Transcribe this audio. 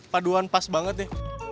paduan pas banget ya